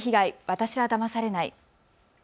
私はだまされない。